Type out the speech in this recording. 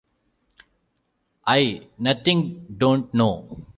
I nothing don't know.